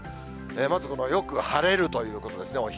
まずよく晴れるということですね。